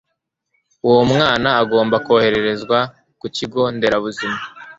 uwo mwana agomba koherezwa ku kigo nderabuzima